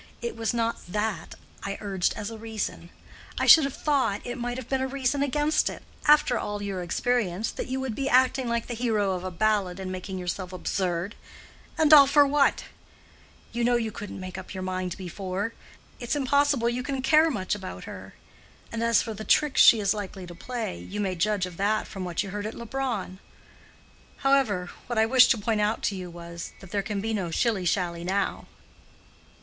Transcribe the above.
"It was not that I urged as a reason. I should have thought it might have been a reason against it, after all your experience, that you would be acting like the hero of a ballad, and making yourself absurd—and all for what? You know you couldn't make up your mind before. It's impossible you can care much about her. And as for the tricks she is likely to play, you may judge of that from what you heard at Leubronn. However, what I wished to point out to you was, that there can be no shilly shally now."